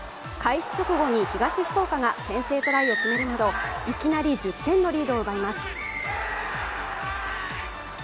開始直後に東福岡が先制トライを決めるなどいきなり１０点のリードを奪います。